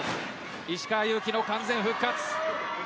石川祐希の完全復活。